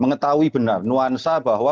mengetahui benar nuansa bahwa